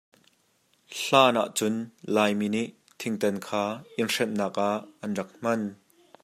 Hlan ah cun Laimi nih thingtan kha inn hrenhnak ah an rak hman.